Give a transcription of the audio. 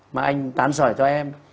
mà anh tán sỏi cho em